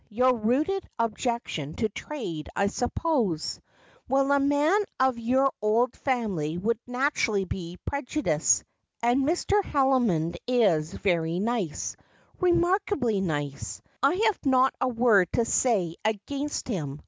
Your rooted objection to trade, I suppose. Well, a man of your old family would naturally be prejudiced. And Mr. Haldimond is very nice — remarkably nice. I have not a word to say against him.